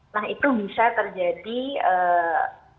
nah itu bisa terjadi ee